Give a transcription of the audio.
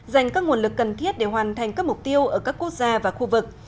dành các nguồn lực cần thiết để hoàn thành các mục tiêu ở các quốc gia và khu vực